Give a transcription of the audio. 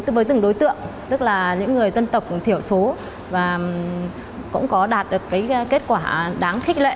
với từng đối tượng tức là những người dân tộc thiểu số và cũng có đạt được kết quả đáng khích lệ